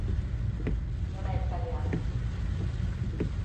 Есть могила его у Искоростеня града в Деревях и до сего дня.